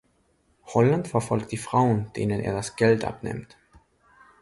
Holland verfolgt die Frauen, denen er das Geld abnimmt.